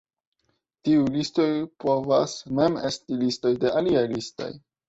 Tiuj listoj povus mem esti listoj de aliaj listoj.